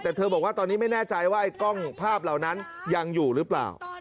แต่เธอบอกว่าตอนนี้ไม่แน่ใจว่าไอ้กล้องภาพเหล่านั้นยังอยู่หรือเปล่า